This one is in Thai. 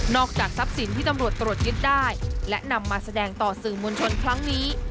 จากทรัพย์สินที่ตำรวจตรวจยึดได้และนำมาแสดงต่อสื่อมวลชนครั้งนี้